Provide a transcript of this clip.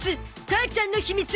母ちゃんの秘密